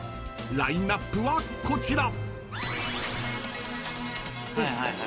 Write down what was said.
［ラインアップはこちら］